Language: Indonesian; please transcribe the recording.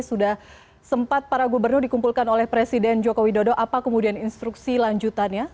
sudah sempat para gubernur dikumpulkan oleh presiden joko widodo apa kemudian instruksi lanjutannya